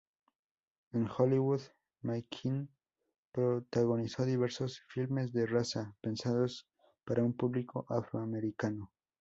En Hollywood, McKinney protagonizó diversos "filmes de raza", pensados para un público afroamericano.